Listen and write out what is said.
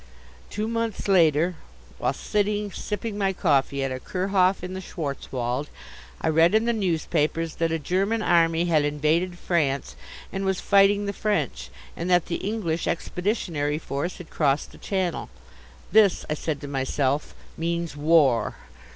Two months later, while sitting sipping my coffee at a Kurhof in the Schwarzwald, I read in the newspapers that a German army had invaded France and was fighting the French, and that the English expeditionary force had crossed the Channel. "This," I said to myself, "means war."